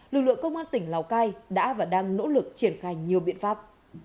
lực lượng công an tỉnh lào cai đã và đang nỗ lực triển khai nhiều biện pháp